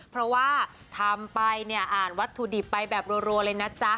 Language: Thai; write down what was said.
เพราะว่าทำไปเนี่ยอ่านวัตถุดิบไปแบบรัวเลยนะจ๊ะ